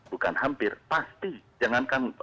bukan hampir pasti jangankan